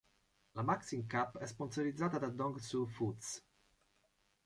La Maxim Cup è sponsorizzata da Dong Suh Foods.